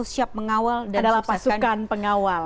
siap mengawal adalah pasukan pengawal